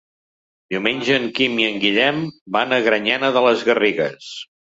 Diumenge en Quim i en Guillem van a Granyena de les Garrigues.